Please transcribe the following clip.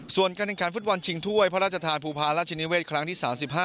ส่วนการแข่งขันฟุตบอลชิงถ้วยพระราชทานภูพาราชนิเวศครั้งที่๓๕